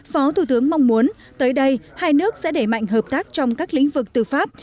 phó thủ tướng mong muốn tới đây hai nước sẽ đẩy mạnh hợp tác trong các lĩnh vực tư pháp